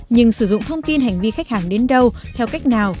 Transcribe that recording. nhưng sử dụng thông tin hành vi khách hàng đến đâu theo cách nào